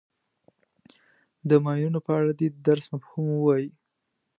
د ماینونو په اړه دې د درس مفهوم ووایي.